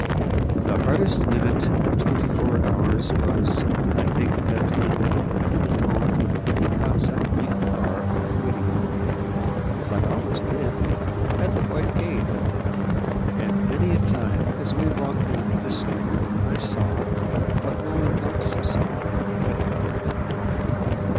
The hardest minute of the twenty four hours was, I think, that when, coming home, he caught sight of me afar off waiting for him, as I always did, at the white gate; and many a time, as we walked down to the stream, I saw what no one else saw but God.